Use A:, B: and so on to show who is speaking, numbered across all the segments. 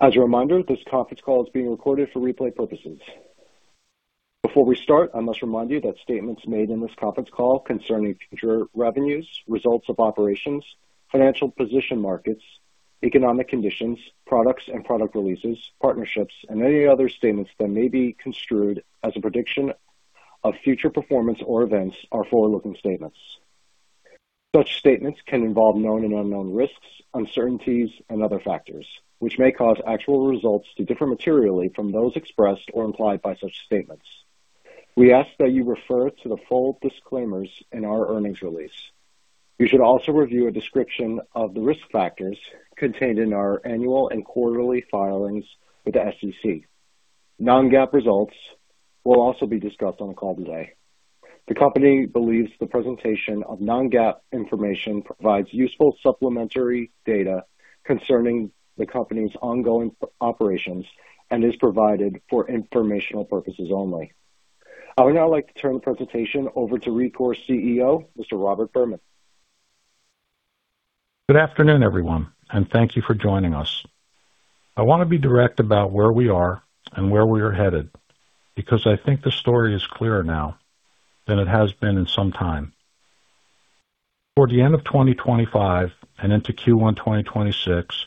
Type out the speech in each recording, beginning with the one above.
A: As a reminder, this conference call is being recorded for replay purposes. Before we start, I must remind you that statements made in this conference call concerning future revenues, results of operations, financial position markets, economic conditions, products and product releases, partnerships, and any other statements that may be construed as a prediction of future performance or events are forward-looking statements. Such statements can involve known and unknown risks, uncertainties, and other factors, which may cause actual results to differ materially from those expressed or implied by such statements. We ask that you refer to the full disclaimers in our earnings release. You should also review a description of the risk factors contained in our annual and quarterly filings with the SEC. Non-GAAP results will also be discussed on the call today. The company believes the presentation of non-GAAP information provides useful supplementary data concerning the company's ongoing operations and is provided for informational purposes only. I would now like to turn the presentation over to Rekor CEO, Mr. Robert Berman.
B: Good afternoon, everyone, and thank you for joining us. I want to be direct about where we are and where we are headed because I think the story is clearer now than it has been in some time. Toward the end of 2025 and into Q1 2026,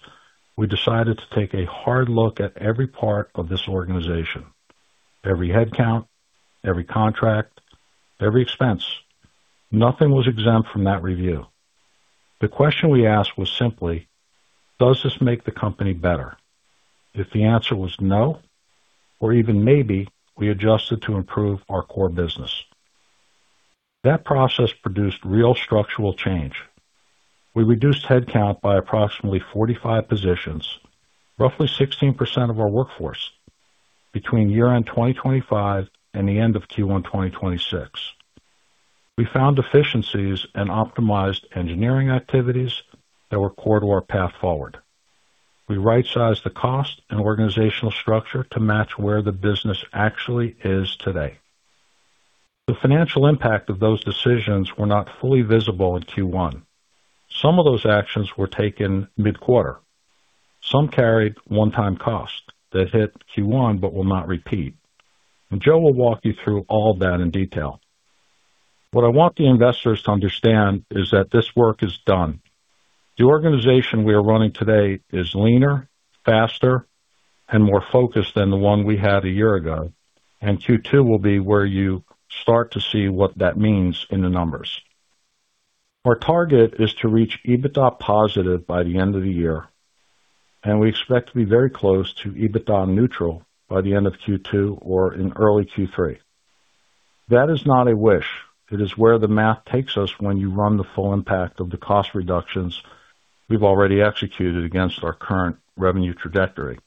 B: we decided to take a hard look at every part of this organization, every headcount, every contract, every expense. Nothing was exempt from that review. The question we asked was simply, does this make the company better? If the answer was no or even maybe, we adjusted to improve our core business. That process produced real structural change. We reduced headcount by approximately 45 positions, roughly 16% of our workforce between year-end 2025 and the end of Q1 2026. We found efficiencies and optimized engineering activities that were core to our path forward. We right-sized the cost and organizational structure to match where the business actually is today. The financial impact of those decisions were not fully visible in Q1. Some of those actions were taken mid-quarter. Some carried one-time costs that hit Q1 but will not repeat. Joe will walk you through all that in detail. What I want the investors to understand is that this work is done. The organization we are running today is leaner, faster, and more focused than the one we had a year ago. Q2 will be where you start to see what that means in the numbers. Our target is to reach EBITDA positive by the end of the year, and we expect to be very close to EBITDA neutral by the end of Q2 or in early Q3. That is not a wish. It is where the math takes us when you run the full impact of the cost reductions we've already executed against our current revenue trajectory.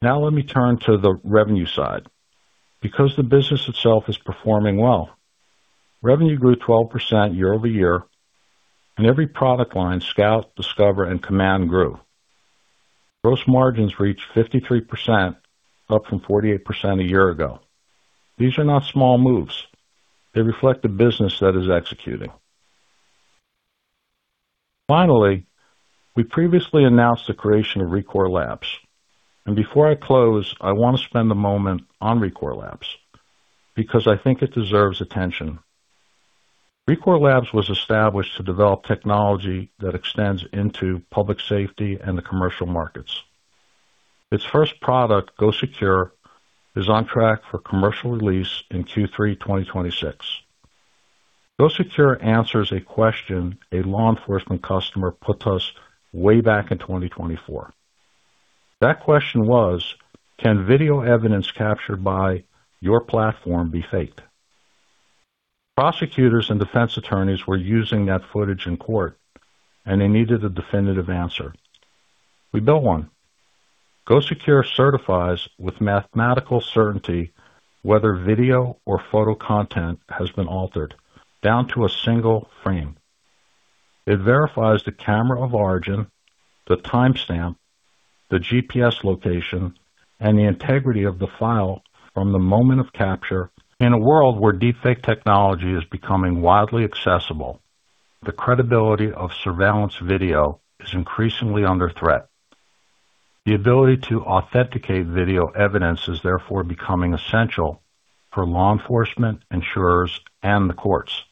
B: Now let me turn to the revenue side. Because the business itself is performing well, revenue grew 12% year-over-year, and every product line Scout, Discover, and Command grew. Gross margins reached 53%, up from 48% a year ago. These are not small moves. They reflect the business that is executing. Finally, we previously announced the creation of Rekor Labs. Before I close, I want to spend a moment on Rekor Labs because I think it deserves attention. Rekor Labs was established to develop technology that extends into public safety and the commercial markets. Its first product, GoSecure, is on track for commercial release in Q3 2026. GoSecure answers a question a law enforcement customer put to us way back in 2024. That question was, "Can video evidence captured by your platform be faked?" Prosecutors and defense attorneys were using that footage in court, and they needed a definitive answer. We built one. GoSecure certifies with mathematical certainty whether video or photo content has been altered down to a single frame. It verifies the camera of origin, the timestamp, the GPS location, and the integrity of the file from the moment of capture. In a world where deepfake technology is becoming widely accessible, the credibility of surveillance video is increasingly under threat. The ability to authenticate video evidence is therefore becoming essential for law enforcement, insurers, and the courts.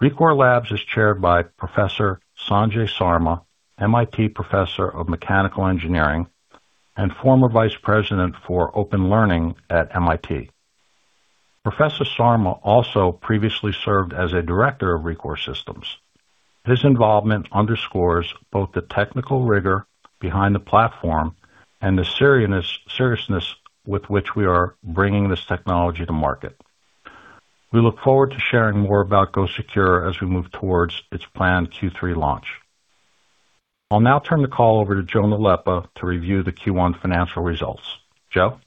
B: Rekor Labs is chaired by Professor Sanjay Sarma, MIT Professor of Mechanical Engineering and former Vice President for Open Learning at MIT. Professor Sarma also previously served as a director of Rekor Systems. His involvement underscores both the technical rigor behind the platform and the seriousness with which we are bringing this technology to market. We look forward to sharing more about GoSecure as we move towards its planned Q3 launch. I'll now turn the call over to Joe Nalepa to review the Q1 financial results. Joe?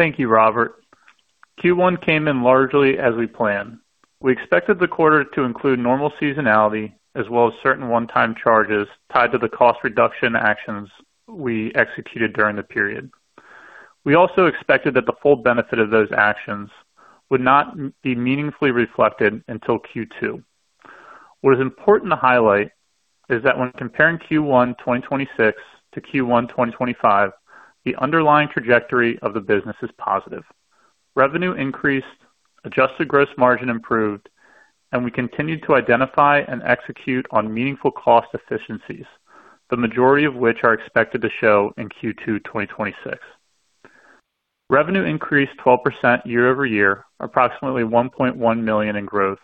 C: Thank you, Robert. Q1 came in largely as we planned. We expected the quarter to include normal seasonality as well as certain one-time charges tied to the cost reduction actions we executed during the period. We also expected that the full benefit of those actions would not be meaningfully reflected until Q2. What is important to highlight is that when comparing Q1 2026 to Q1 2025, the underlying trajectory of the business is positive. Revenue increased, adjusted gross margin improved, and we continued to identify and execute on meaningful cost efficiencies, the majority of which are expected to show in Q2 2026. Revenue increased 12% year-over-year, approximately $1.1 million in growth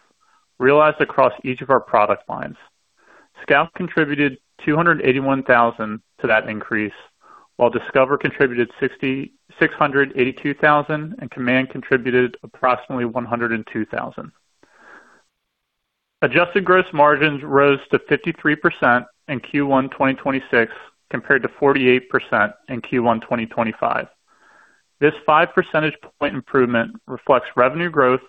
C: realized across each of our product lines. Scout contributed $281,000 to that increase, while Discover contributed $682,000, and Command contributed approximately $102,000. Adjusted gross margins rose to 53% in Q1 2026 compared to 48% in Q1 2025. This 5 percentage point improvement reflects revenue growth,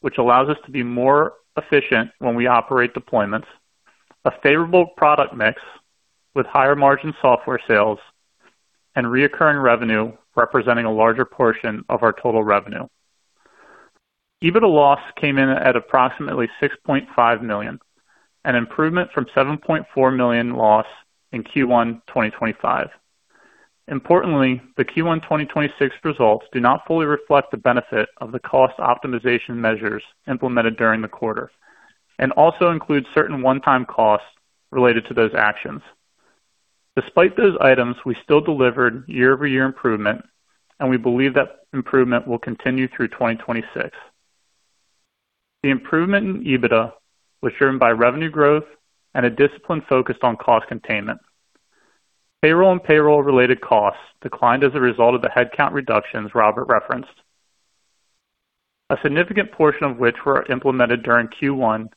C: which allows us to be more efficient when we operate deployments, a favorable product mix with higher margin software sales and recurring revenue representing a larger portion of our total revenue. EBITDA loss came in at approximately $6.5 million, an improvement from $7.4 million loss in Q1 2025. Importantly, the Q1 2026 results do not fully reflect the benefit of the cost optimization measures implemented during the quarter, and also include certain one-time costs related to those actions. Despite those items, we still delivered year-over-year improvement, and we believe that improvement will continue through 2026. The improvement in EBITDA was driven by revenue growth and a discipline focused on cost containment. Payroll and payroll-related costs declined as a result of the headcount reductions Robert referenced, a significant portion of which were implemented during Q1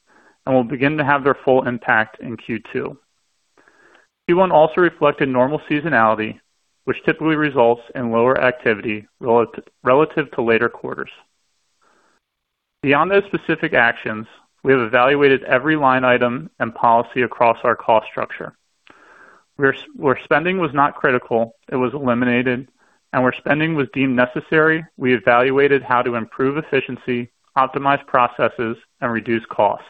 C: and will begin to have their full impact in Q2. Q1 also reflected normal seasonality, which typically results in lower activity relative to later quarters. Beyond those specific actions, we have evaluated every line item and policy across our cost structure. Where spending was not critical, it was eliminated, and where spending was deemed necessary, we evaluated how to improve efficiency, optimize processes, and reduce costs.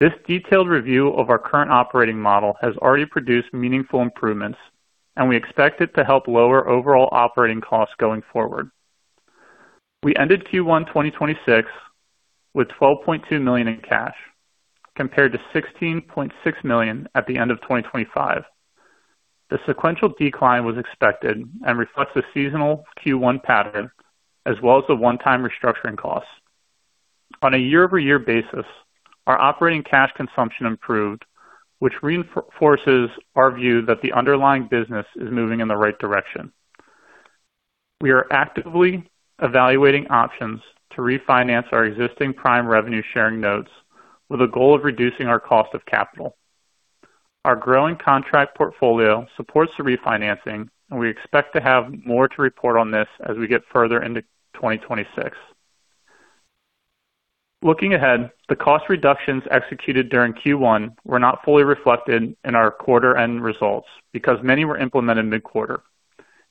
C: This detailed review of our current operating model has already produced meaningful improvements, and we expect it to help lower overall operating costs going forward. We ended Q1 2026 with $12.2 million in cash, compared to $16.6 million at the end of 2025. The sequential decline was expected and reflects the seasonal Q1 pattern, as well as the one-time restructuring costs. On a year-over-year basis, our operating cash consumption improved, which reinforces our view that the underlying business is moving in the right direction. We are actively evaluating options to refinance our existing Series A Prime Revenue Sharing Notes with a goal of reducing our cost of capital. Our growing contract portfolio supports the refinancing, and we expect to have more to report on this as we get further into 2026. Looking ahead, the cost reductions executed during Q1 were not fully reflected in our quarter end results because many were implemented mid-quarter.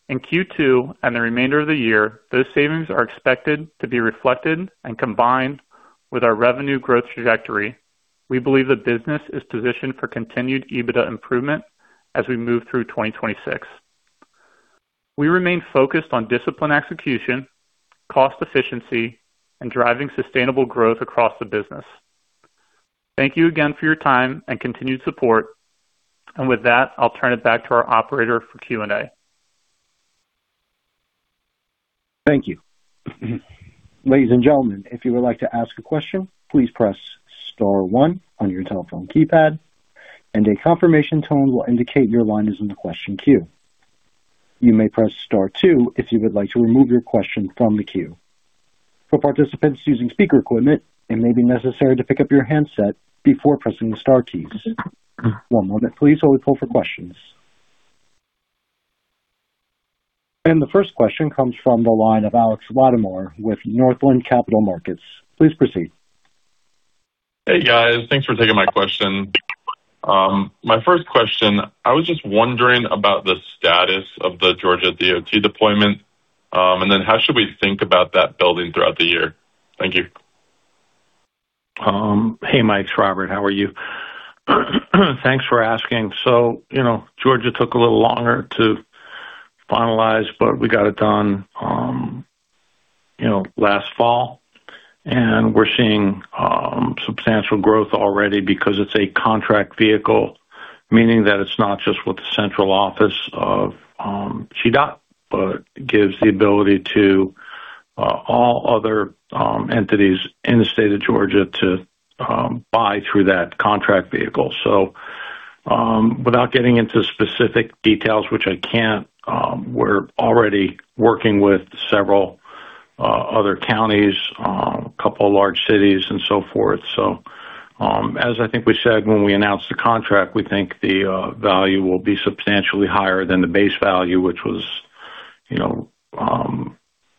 C: In Q2 and the remainder of the year, those savings are expected to be reflected and combined with our revenue growth trajectory. We believe the business is positioned for continued EBITDA improvement as we move through 2026. We remain focused on disciplined execution, cost efficiency, and driving sustainable growth across the business. Thank you again for your time and continued support. With that, I'll turn it back to our operator for Q&A.
A: Thank you. Ladies and gentlemen, if you would like to ask a question, please press star one on your telephone keypad and a confirmation tone will indicate your line is in the question queue. You may press star two if you would like to remove your question from the queue. For participants using speaker equipment, it may be necessary to pick up your handset before pressing the star keys. One moment please while we pull for questions. The first question comes from the line of [Mike] Latimore with Northland Capital Markets. Please proceed.
D: Hey, guys. Thanks for taking my question. My first question, I was just wondering about the status of the Georgia DOT deployment. How should we think about that building throughout the year? Thank you.
B: Hey, Mike, it's Robert. How are you? Thanks for asking. You know, Georgia took a little longer to finalize, but we got it done, you know, last fall. We're seeing substantial growth already because it's a contract vehicle, meaning that it's not just with the central office of GDOT, but gives the ability to all other entities in the state of Georgia to buy through that contract vehicle. Without getting into specific details, which I can't, we're already working with several other counties, a couple of large cities and so forth. As I think we said when we announced the contract, we think the value will be substantially higher than the base value, which was, you know,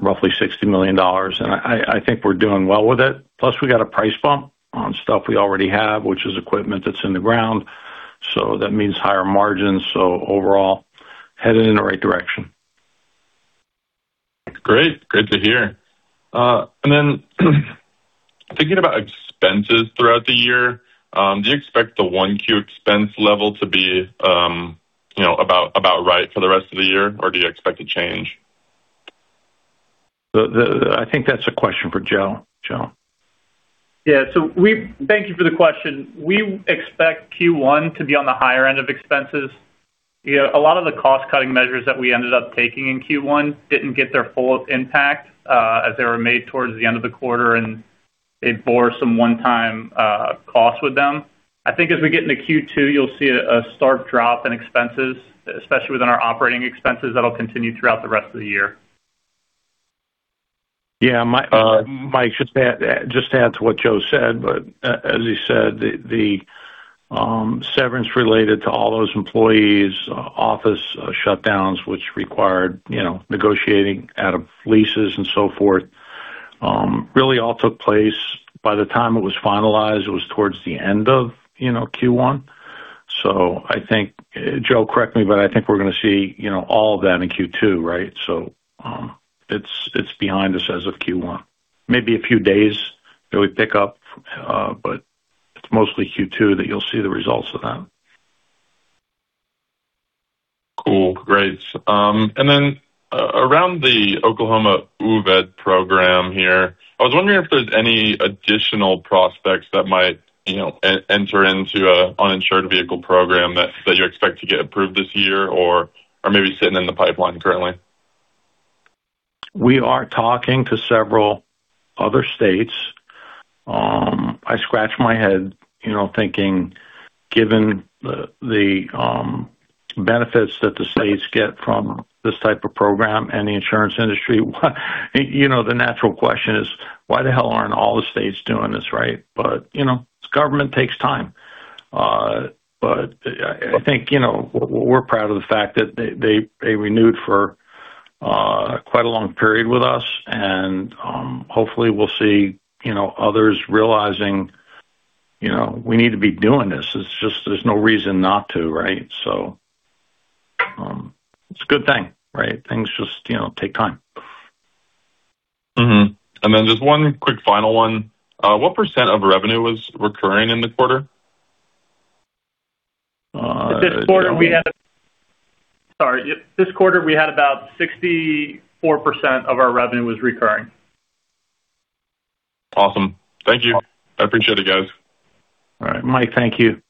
B: roughly $60 million. I think we're doing well with it. We got a price bump on stuff we already have, which is equipment that's in the ground. That means higher margins. Overall, headed in the right direction.
D: Great. Good to hear. Thinking about expenses throughout the year, do you expect the 1 Q expense level to be, you know, about right for the rest of the year, or do you expect a change?
B: The I think that's a question for Joe. Joe?
C: Yeah. Thank you for the question. We expect Q1 to be on the higher end of expenses. You know, a lot of the cost-cutting measures that we ended up taking in Q1 didn't get their full impact, as they were made towards the end of the quarter, and they bore some one-time cost with them. I think as we get into Q2, you'll see a stark drop in expenses, especially within our operating expenses that'll continue throughout the rest of the year.
B: Yeah. Mike, just to add, just to add to what Joe said, as you said, the severance related to all those employees, office shutdowns, which required, you know, negotiating out of leases and so forth, really all took place. By the time it was finalized, it was towards the end of, you know, Q1. I think, Joe, correct me, but I think we're gonna see, you know, all of that in Q2, right? It's behind us as of Q1. Maybe a few days it would pick up, but it's mostly Q2 that you'll see the results of that.
D: Cool. Great. Around the Oklahoma UVED Program here, I was wondering if there's any additional prospects that might, you know, enter into a uninsured vehicle program that you expect to get approved this year or maybe sitting in the pipeline currently.
B: We are talking to several other states. I scratch my head, you know, thinking, given the benefits that the states get from this type of program and the insurance industry, you know, the natural question is, why the hell aren't all the states doing this, right? You know, government takes time. I think, you know, we're proud of the fact that they renewed for quite a long period with us, and hopefully we'll see, you know, others realizing, you know, we need to be doing this. It's just there's no reason not to, right? It's a good thing, right? Things just, you know, take time.
D: Just one quick final one, what percent of revenue was recurring in the quarter?
B: Uh-
C: Sorry. This quarter, we had about 64% of our revenue was recurring.
D: Awesome. Thank you. I appreciate it, guys.
B: All right. Mike, thank you.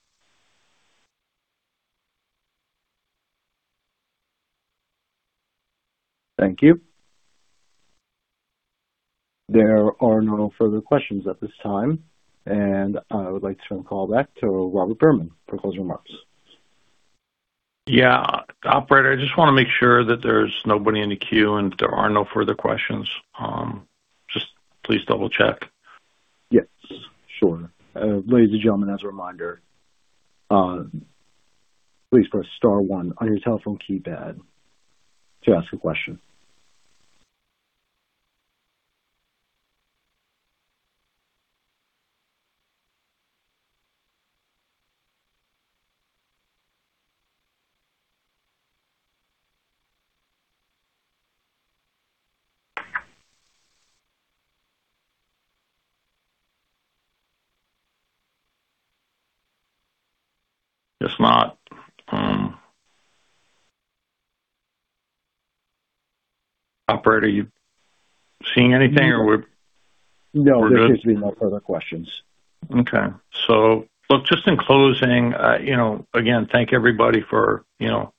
A: Thank you. There are no further questions at this time, and I would like to turn the call back to Robert Berman for closing remarks.
B: Yeah. Operator, I just wanna make sure that there's nobody in the queue and there are no further questions. Just please double-check.
A: Yes, sure. Ladies and gentlemen, as a reminder, please press star one on your telephone keypad to ask a question.
B: If not, operator, you seeing anything or?
A: No, there should be no further questions.
B: Okay. Look, just in closing, you know, again, thank everybody for, you know,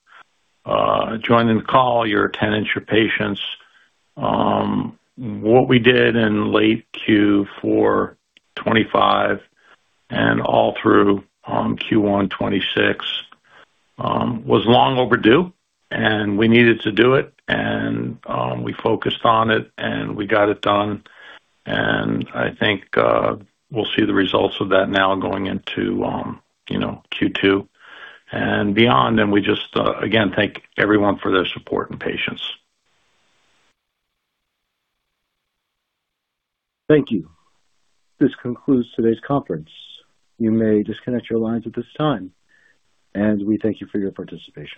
B: joining the call, your attendance, your patience. What we did in late Q4 2025 and all through Q1 2026 was long overdue, and we needed to do it. We focused on it and we got it done. I think we'll see the results of that now going into, you know, Q2 and beyond. We just, again, thank everyone for their support and patience.
A: Thank you. This concludes today's conference. You may disconnect your lines at this time, and we thank you for your participation.